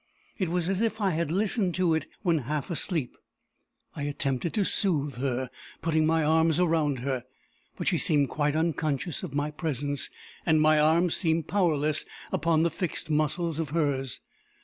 It was as if I had listened to it when half asleep. I attempted to soothe her, putting my arms round her, but she seemed quite unconscious of my presence, and my arms seemed powerless upon the fixed muscles of hers.